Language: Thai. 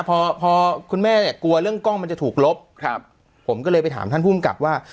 พอพอคุณแม่เนี่ยกลัวเรื่องกล้องมันจะถูกลบครับผมก็เลยไปถามท่านภูมิกับว่า